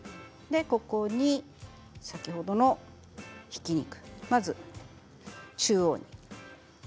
ここに先ほどのひき肉まず中央に。